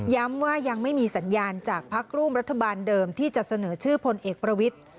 ว่ายังไม่มีสัญญาณจากพักร่วมรัฐบาลเดิมที่จะเสนอชื่อพลเอกประวิทธิ